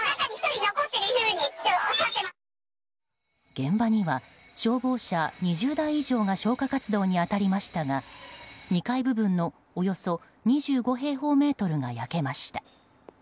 現場には消防車２０台以上が消火活動に当たりましたが２階部分のおよそ２５平方メートルが焼けました。